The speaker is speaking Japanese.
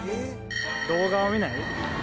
動画を見ない。